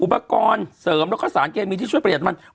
อุปกรณ์เสริมและข้อสารเกณฑ์มีที่ช่วยประหยัดมัน